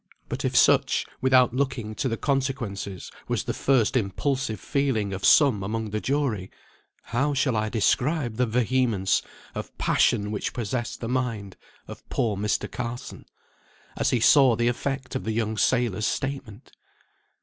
But if such, without looking to the consequences, was the first impulsive feeling of some among the jury, how shall I describe the vehemence of passion which possessed the mind of poor Mr. Carson, as he saw the effect of the young sailor's statement?